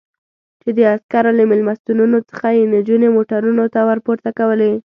چې د عسکرو له مېلمستونونو څخه یې نجونې موټرونو ته ور پورته کولې.